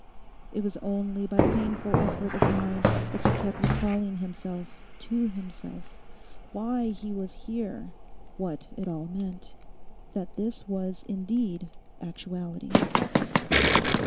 It was only by painful effort of mind that he kept recalling himself to himself—why he was here; what it all meant; that this was indeed actuality.